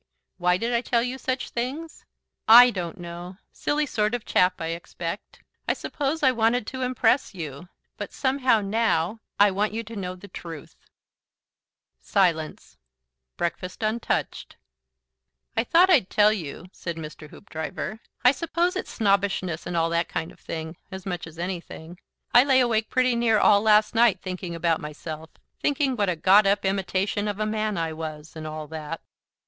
"Why did I tell you such things? I don't know. Silly sort of chap, I expect. I suppose I wanted to impress you. But somehow, now, I want you to know the truth." Silence. Breakfast untouched. "I thought I'd tell you," said Mr. Hoopdriver. "I suppose it's snobbishness and all that kind of thing, as much as anything. I lay awake pretty near all last night thinking about myself; thinking what a got up imitation of a man I was, and all that."